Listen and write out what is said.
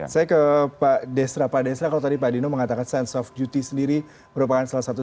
saya ke pak desra pak desra kalau tadi pak dino mengatakan sense of duty sendiri merupakan salah satu